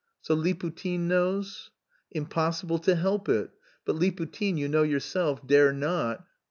"So Liputin knows?" "Impossible to help it: but Liputin, you know yourself, dare not...